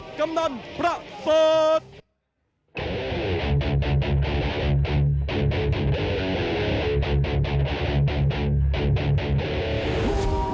ชกมาแล้ว๔๕ไฟล์ชนะ๓๒ไฟล์และแพ้๑๓ไฟล์ครับ